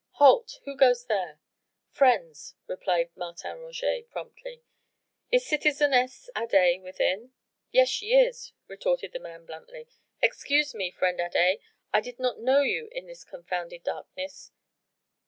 "Halt! who goes there?" "Friends!" replied Martin Roget promptly. "Is citizeness Adet within?" "Yes! she is!" retorted the man bluntly; "excuse me, friend Adet I did not know you in this confounded darkness."